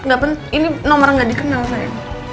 gapen ini nomor gak dikenal sayang